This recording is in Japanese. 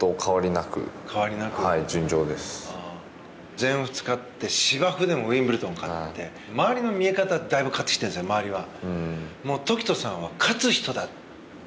全仏勝って芝生でもウィンブルドン勝って周りの見え方だいぶ変わってきたじゃない、周りは。